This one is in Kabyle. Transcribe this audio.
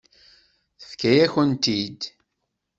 Tefka-yakent-t-id.